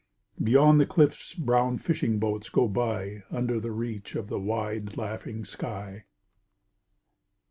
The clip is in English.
Beyond the cliffs brown fishing boats go by Under the reach of the wide laughing sky.